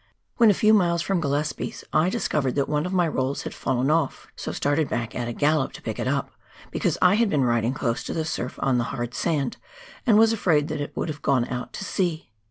When a few miles from Gillespies, I discovered that one of my rolls had fallen off, so started back at a gallop to pick it up, because I had been riding close to the surf on the hard sand, and was afraid that it would have gone out to sea.